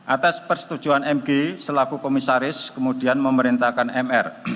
atas persetujuan mg selaku komisaris kemudian memerintahkan mr